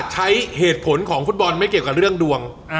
ใช้เหตุผลของฟุตบอลไม่เกี่ยวกับเรื่องดวง